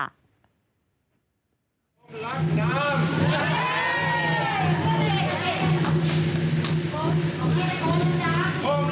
ผมรักน้ำ